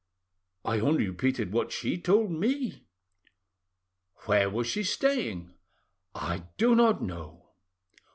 "I only repeated what she told me." "Where was she staying?" "I do not know."